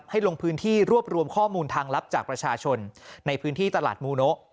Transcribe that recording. ลงพื้นที่รวบรวมข้อมูลทางลับจากประชาชนในพื้นที่ตลาดมูโนะ